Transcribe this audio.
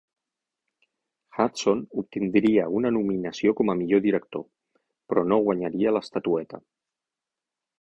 Hudson obtindria una nominació com a millor director, però no guanyaria l'estatueta.